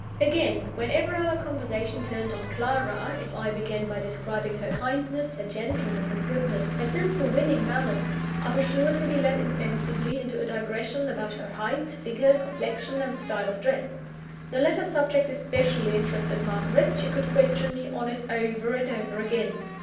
Again; whenever our conversation turned on Clara, if I began by describing her kindness, her gentleness and goodness, her simple winning manners I was sure to be led insensibly into a digression about her height, figure, complexion, and style of dress. The latter subject especially interested Margaret; she could question me on it, over and over again.